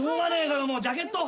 ジャケット？